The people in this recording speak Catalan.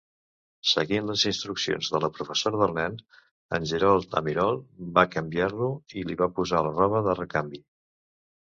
Seguint les instruccions de la professora del nen, en Gerald Amirault va canviar-lo i li va posar la roba de recanvi.